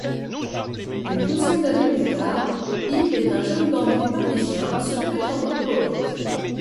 Une douzaine d'années plus tard, Yves est un jeune dandy parisien se prétendant poète.